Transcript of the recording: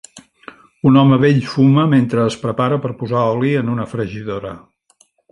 Un home vell fuma mentre es prepara per posar oli en una fregidora